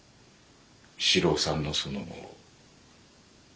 四郎さんのその後。